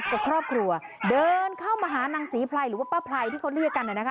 กับครอบครัวเดินเข้ามาหานางศรีไพรหรือว่าป้าไพรที่เขาเรียกกันนะคะ